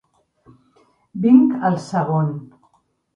Vinc al segon.